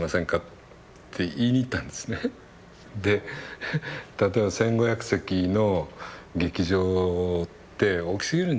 で例えば１，５００席の劇場って大きすぎるんじゃないかと。